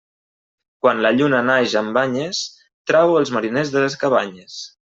Quan la lluna naix amb banyes trau els mariners de les cabanyes.